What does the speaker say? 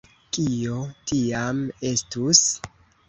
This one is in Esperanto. Kio tiam estus?